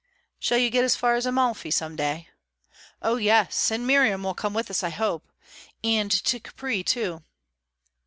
"Shall you get as far as Amalfi some day?" "Oh yes! And Miriam will come with us, I hope. And to Capri too."